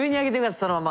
そのまま。